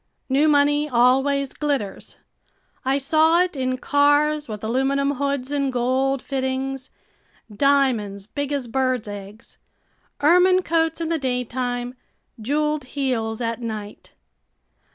New money always glitters. I saw it in cars with aluminum hoods and gold fittings, diamonds big as birds' eggs, ermine coats in the daytime jeweled heels at night.